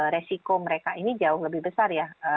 resiko mereka ini jauh lebih besar ya